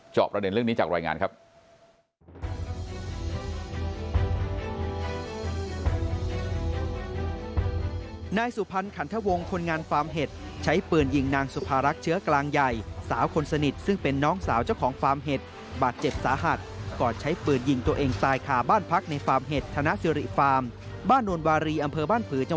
ประเด็นเรื่องนี้จากรายงานครับ